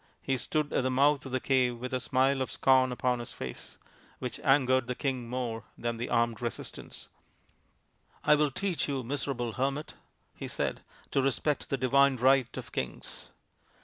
He stood at the mouth of the cave with a smile of scorn upon his face, which angered the king more than armed resistance. " I will teach you, miserable hermit," he said, " to respect the Divine Right of Kings."